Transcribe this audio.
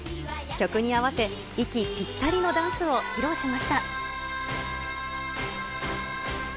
曲に合わせ、息ぴったりのダンスを披露しました。